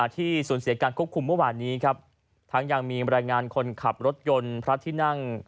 ที่สูญเสียการควบคุมเมื่อวานนี้ครับทั้งยังมีบรรยายงานคนขับรถยนต์พระที่นั่ง